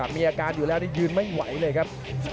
มีอาการอยู่แล้วนี่ยืนไม่ไหวเลยครับ